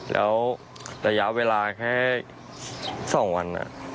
แล้วระยะเวลาแค่๒วัน